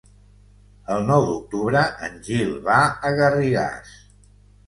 El nou d'octubre en Gil va a Garrigàs.